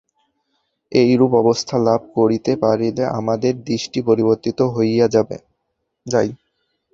এইরূপ অবস্থা লাভ করিতে পারিলে আমাদের দৃষ্টি পরিবর্তিত হইয়া যায়।